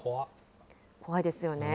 怖いですよね。